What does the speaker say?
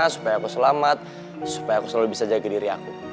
supaya aku selamat supaya aku selalu bisa jaga diri aku